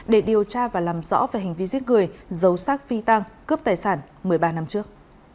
để điều tra và làm rõ về hành vi giết người giấu sát phi tăng cướp tài sản một mươi ba năm trước